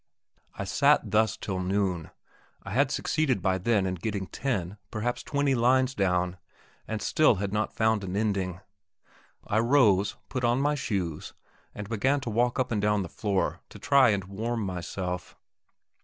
I sat thus till noon; I had succeeded by then in getting ten, perhaps twenty lines down, and still I had not found an ending. I rose, put on my shoes, and began to walk up and down the floor to try and warm myself.